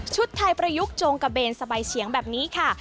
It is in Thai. ไทยประยุกต์จงกระเบนสบายเฉียงแบบนี้ค่ะ